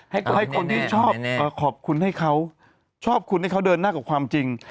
ให้คนที่ชอบขอบคุณให้เขาชอบคุณให้เขาเดินหน้ากับความจริง